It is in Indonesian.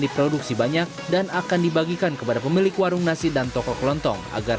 diproduksi banyak dan akan dibagikan kepada pemilik warung nasi dan toko kelontong agar